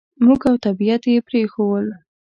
موږ او طبعیت یې پرېښوول.